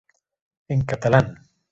En catalán.